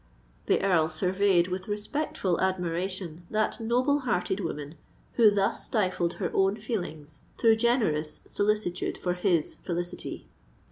'" The Earl surveyed with respectful admiration that noble hearted woman who thus stifled her own feelings through generous solicitude for his felicity.